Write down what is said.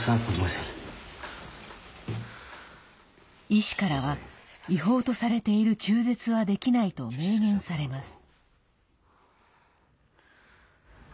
医師からは違法とされている中絶はできないと明言されます。